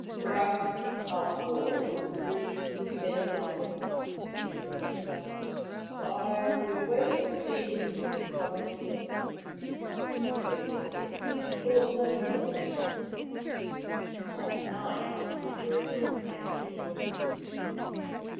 " Perhaps, after all, the dream meant nothing," he said. " I will wait to see if it comes again." He went hunting, and thought no more of the matter. That night the dream came again.